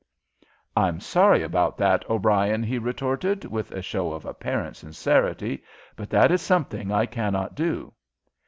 "I'm sorry about that, O'Brien," he retorted, with a show of apparent sincerity, "but that is something I cannot do."